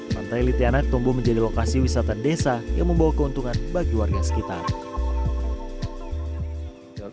pantai litianak tumbuh menjadi lokasi wisata desa yang membawa keuntungan bagi warga sekitar